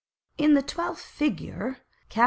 _ In the twelfth Figure (p.